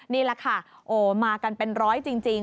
นี่ล่ะค่ะมากันเป็นร้อยจริง